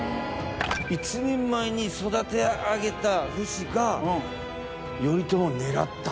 一人前に育て上げた武士が頼朝を狙った。